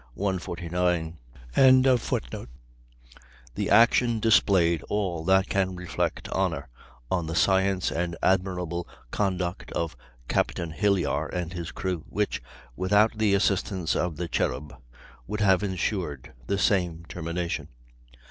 149.] "The action displayed all that can reflect honor on the science and admirable conduct of Captain Hilyar and his crew, which, without the assistance of the Cherub, would have insured the same termination.